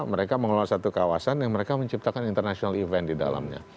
mereka mengelola satu kawasan yang mereka menciptakan international event di dalamnya